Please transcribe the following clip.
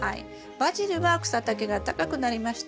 バジルは草丈が高くなりました。